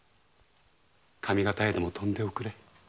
上方へでも飛んでおくれ。